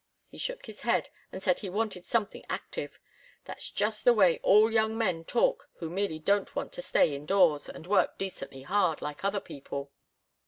He shook his head and said he wanted something active. That's just the way all young men talk who merely don't want to stay in doors and work decently hard, like other people.